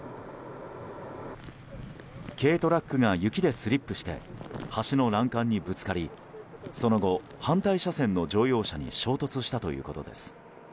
軽トラックが雪でスリップして橋の欄干にぶつかりその後、反対車線の乗用車に衝突したということです。